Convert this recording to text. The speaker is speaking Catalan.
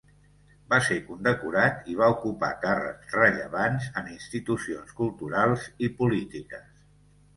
Va ser condecorat i va ocupar càrrecs rellevants en institucions culturals i polítiques.